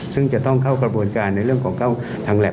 ซึ่งจะต้องเข้ากระบวนการในเรื่องของเข้าทางแล็บ